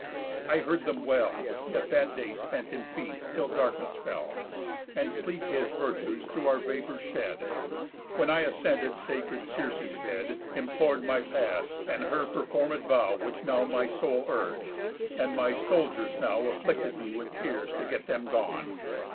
I heard them well, Yet that day spent in feast, till darkness fell, And sleep his virtues through our vapours shed. When I ascended sacred Circe's bed, Implor'd my pass, and her performéd vow Which now my soul urg'd, and my soldiers now Afflicted me with tears to get them gone.